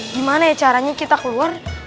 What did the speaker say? gimana caranya kita keluar